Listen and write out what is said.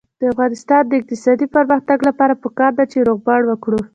د افغانستان د اقتصادي پرمختګ لپاره پکار ده چې روغبړ وکړو.